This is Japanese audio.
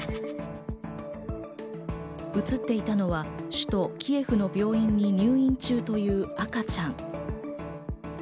写っていたのは首都キエフの病院に入院中という赤ちゃん。